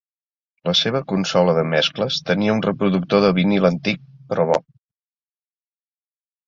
La seva consola de mescles tenia un reproductor de vinil antic però bo.